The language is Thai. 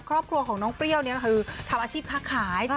ครอบครัวของน้องเปรี้ยวเนี่ยก็คือทำอาชีพค้าขาย